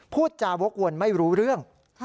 พูดจาวกวนไม่รู้เรื่อง